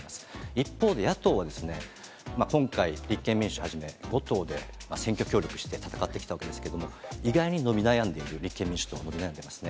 一方で、野党はですね、今回、立憲民主はじめ、５党で選挙協力して、戦ってきたわけですけれども、意外に伸び悩んでいる、立憲民主党は伸び悩んでますね。